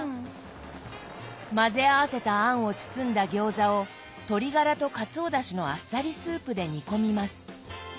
混ぜ合わせた餡を包んだ餃子を鶏ガラとカツオだしのあっさりスープで煮込みます。